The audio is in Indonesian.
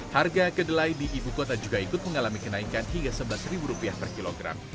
harga kedelai di ibu kota juga ikut mengalami kenaikan hingga rp sebelas per kilogram